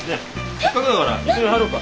せっかくだから一緒に入ろうか？